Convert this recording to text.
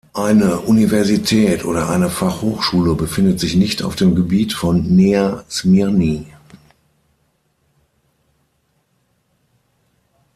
Eine Universität oder eine Fachhochschule befindet sich nicht auf dem Gebiet von Nea Smyrni.